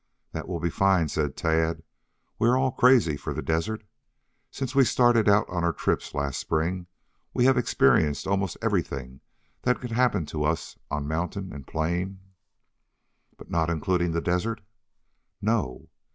"That will be fine," said Tad. "We are all crazy for the desert. Since we started out on our trips, last spring, we have experienced almost everything that could happen to us on mountain and plain " "But not including the desert?" "No."